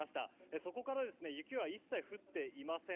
そこから雪は一切降っていません。